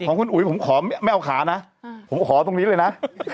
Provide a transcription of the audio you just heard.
ของคุณอุ๋ยผมขอไม่เอาขานะผมขอตรงนี้เลยนะ